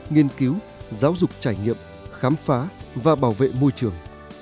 nghiên cứu giáo dục trải nghiệm khám phá và bảo vệ môi trường